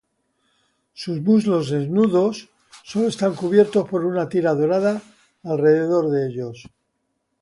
Sus muslos desnudos solo están cubiertos por una tira dorada alrededor de ellos.